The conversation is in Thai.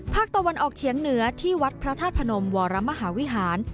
ภาคตะวันออกเฉียงเหนือที่วัดพระธาตุพนมวรมหาวิหาร